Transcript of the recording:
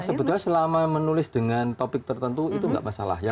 sebenarnya selama menulis dengan topik tertentu itu nggak masalah